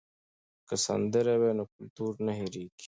که سندرې وي نو کلتور نه هېریږي.